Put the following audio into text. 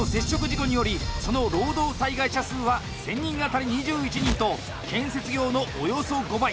事故によりその労働災害者数は１０００人当たり２１人と建設業のおよそ５倍。